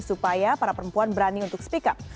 supaya para perempuan berani untuk speak up